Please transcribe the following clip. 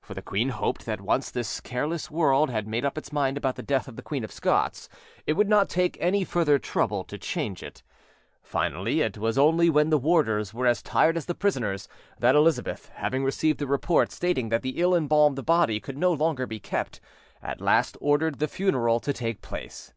For the queen hoped that once this careless world had made up its mind about the death of the Queen of Scots, it would not take any further trouble to change it. Finally, it was only when the warders were as tired as the prisoners, that Elizabeth, having received a report stating that the ill embalmed body could no longer be kept, at last ordered the funeral to take place.